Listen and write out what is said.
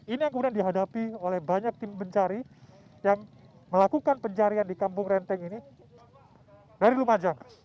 ini yang kemudian dihadapi oleh banyak tim pencari yang melakukan pencarian di kampung renteng ini dari lumajang